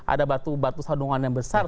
ada batu batu sandungan yang besar